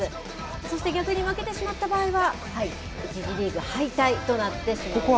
そして逆に負けてしまった場合は、１次リーグ敗退となってしまいま